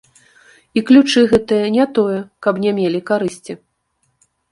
І ключы гэтыя не тое, каб не мелі карысці.